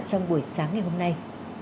trong buổi sáng ngày hôm nay